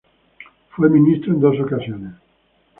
Fue ministro en dos ocasiones.